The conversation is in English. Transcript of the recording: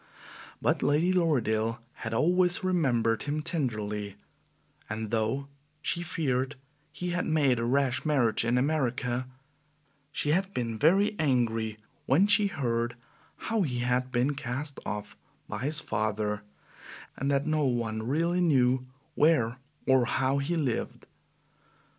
But Lady Lorridaile had always remembered him tenderly, and though she feared he had made a rash marriage in America, she had been very angry when she heard how he had been cast off by his father and that no one really knew where or how he lived.